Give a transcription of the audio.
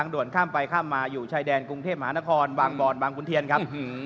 ด่วนข้ามไปข้ามมาอยู่ชายแดนกรุงเทพมหานครบางบ่อนบางขุนเทียนครับ